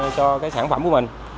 cho sản phẩm của mình